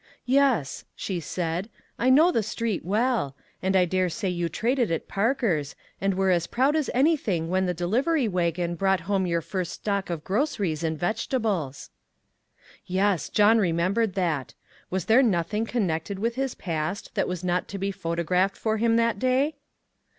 "Yes," she said, "I know the street well. And I dare say you traded at Parker's, and were as proud as anything when the delivery wagon brought home your first stock of groceries and vegetables." 225 226 ONE COMMONPLACE DAY. Yes, John remembered that. Was there nothing connected with his past that was not to be photographed for him that day